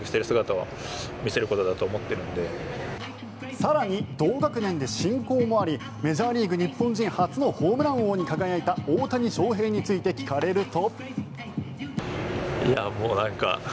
更に、同学年で親交もありメジャーリーグ日本人初のホームラン王に輝いた大谷翔平について聞かれると。